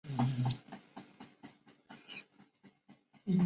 曾努力参加雅典对马其顿保持独立的活动并从中发挥作用。